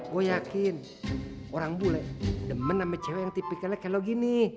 gue yakin orang bule demen sama cewek yang tipikalnya kayak lo gini